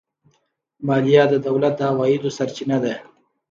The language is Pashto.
مالیه د دولت د عوایدو سرچینه ده.